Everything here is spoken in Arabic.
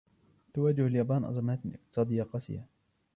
تواجه اليابان أزمات اقتصادية قاسية.